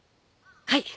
はい。